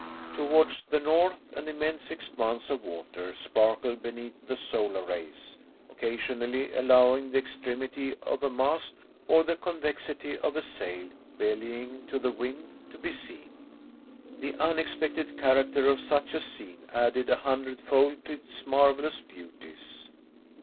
Towards the north, an immense expanse of water sparkled beneath the solar rays, occasionally allowing the extremity of a mast or the convexity of a sail bellying to the wind, to be seen. The unexpected character of such a scene added a hundredfold to its marvelous beauties.